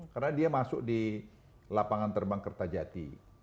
karena dia masuk di lapangan terbang kertajati